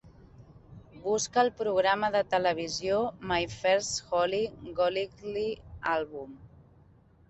Busca el programa de televisió My First Holly Golightly Album